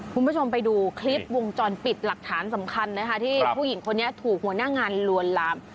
คุณผู้ชมไปดูคลิปวงจรปิดหลักฐานสำคัญนะคะที่ผู้หญิงคนนี้ถูกหัวหน้างานลวนลาม